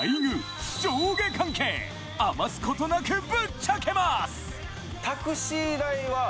余すことなくぶっちゃけます